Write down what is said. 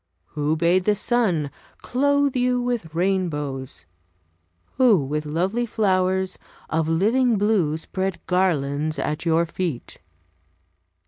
Who bade the sun Clothe you with rainbows? Who with lovely flowers Of living blue spread garlands at your feet?"